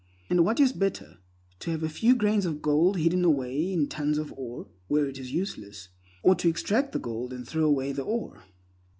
And what is better, to have a few grains of gold hidden away in tons of ore, where it is useless, or to extract the gold and throw away the ore?